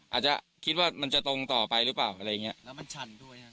อาจจะคิดว่ามันจะตรงต่อไปหรือเปล่าอะไรอย่างเงี้ยแล้วมันชันด้วยครับ